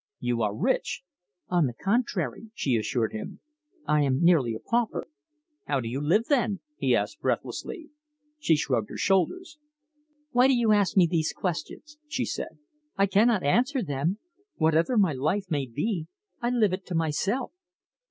"You are rich!" "On the contrary," she assured him, "I am nearly a pauper." "How do you live, then?" he asked breathlessly. She shrugged her shoulders. "Why do you ask me these questions?" she said. "I cannot answer them. Whatever my life may be, I live it to myself."